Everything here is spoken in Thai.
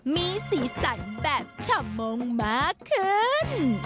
มีศีรษะแบบฉมงมากขึ้น